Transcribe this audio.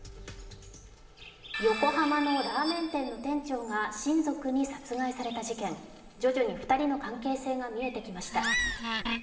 横浜のラーメン店の店長が親族に殺害された事件徐々に２人の関係性が見えてきました。